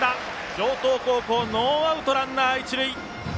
城東高校ノーアウトランナー、一塁。